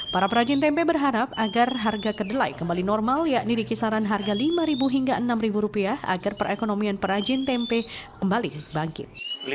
para perajin tempe berharap agar harga kedelai kembali normal yakni di kisaran harga rp lima hingga rp enam agar perekonomian perajin tempe kembali bangkit